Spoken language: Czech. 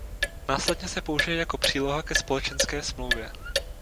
Následně se použije jako příloha ke společenské smlouvě.